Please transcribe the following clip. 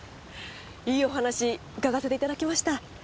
いいお話伺わせていただきました。